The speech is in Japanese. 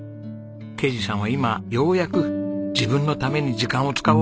啓二さんは今ようやく自分のために時間を使おう！